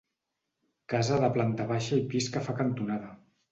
Casa de planta baixa i pis que fa cantonada.